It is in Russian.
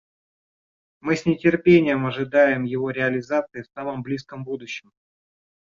Мы с нетерпением ожидаем его реализации в самом близком будущем.